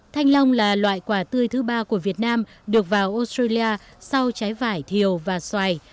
thanh long là loại quả tươi thứ ba của việt nam được vào australia sau trái vải thiều và xoài